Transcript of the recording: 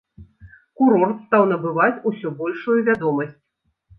Курорт стаў набываць усё большую вядомасць.